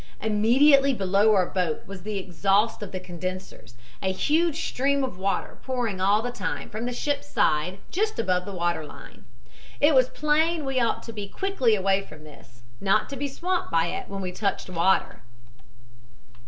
"Immediately below our boat was the exhaust of the condensers, a huge stream of water pouring all the time from the ship's side just above the water line. It was plain we ought to be quickly away from this, not to be swamped by it when we touched water.